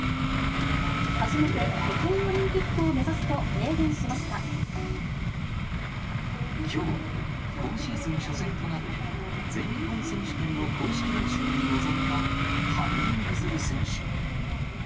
初めて北京オリンピックを目きょう、今シーズン初戦となる全日本選手権の公式練習に臨んだ羽生結弦選手。